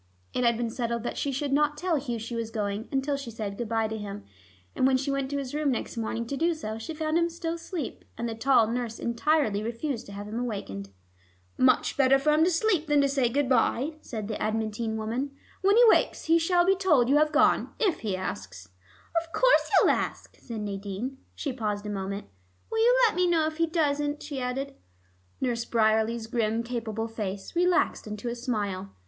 It had been settled that she should not tell Hugh she was going, until she said good by to him, and when she went to his room next morning to do so, she found him still asleep, and the tall nurse entirely refused to have him awakened. "Much better for him to sleep than to say good by," said this adamantine woman. "When he wakes, he shall be told you have gone, if he asks." "Of course he'll ask," said Nadine. She paused a moment. "Will you let me know if he doesn't?" she added. Nurse Bryerley's grim capable face relaxed into a smile.